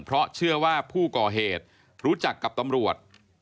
เพราะเชื่อว่าผู้ก่อเหตุรู้จักกับตำรวจ